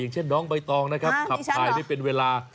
เช่นน้องใบตองนะครับขับถ่ายนี่เป็นเวลา